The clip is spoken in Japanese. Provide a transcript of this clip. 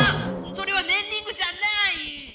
それはねんリングじゃない！